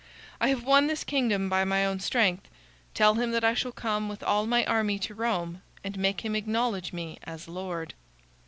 I have won this kingdom by my own strength. Tell him that I shall come with all my army to Rome and make him acknowledge me as lord."